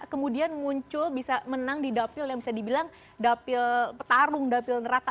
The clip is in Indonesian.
kemudian muncul bisa menang di dapil yang bisa dibilang dapil petarung dapil neraka